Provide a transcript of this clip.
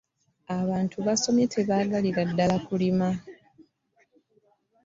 Abantu abasomye tebaagalira ddala kulima.